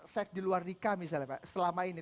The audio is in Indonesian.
seks di luar nikah misalnya pak selama ini